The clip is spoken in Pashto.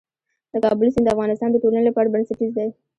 د کابل سیند د افغانستان د ټولنې لپاره بنسټيز دی.